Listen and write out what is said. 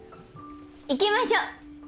行きましょう。